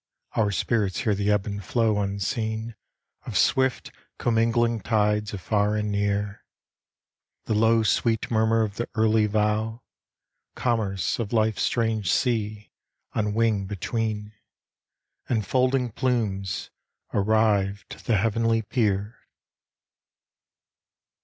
Our spirits hear the ebb and flow unseen Of swift commingling tides of far and near, The low sweet murmur of the early vow, Commerce of life's strange sea, on wing between, And folding plumes arrived the heavenly pier.